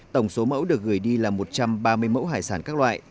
tổng số mẫu được gửi đi là một trăm ba mươi mẫu hải sản các loại